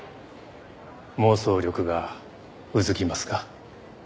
妄想力がうずきますか？